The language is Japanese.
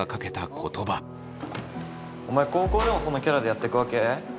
お前高校でもそのキャラでやってくわけ？